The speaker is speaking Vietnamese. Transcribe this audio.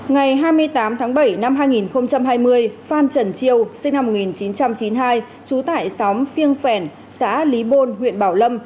ngày hai mươi tám tháng bảy năm hai nghìn hai mươi phan trần chiêu sinh năm một nghìn chín trăm chín mươi hai trú tại xóm phiêng phèn xã lý bôn huyện bảo lâm